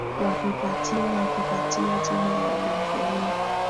wakipatiwa wakipatiwa tiba ya ugonjwa huo